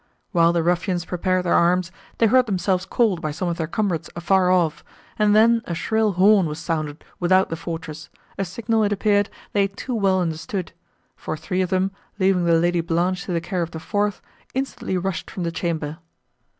While the ruffians prepared their arms, they heard themselves called by some of their comrades afar off, and then a shrill horn was sounded without the fortress, a signal, it appeared, they too well understood; for three of them, leaving the Lady Blanche to the care of the fourth, instantly rushed from the chamber.